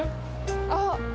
あっ。